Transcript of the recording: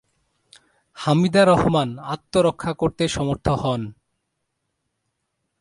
হামিদা রহমান আত্মরক্ষা করতে সমর্থ হন।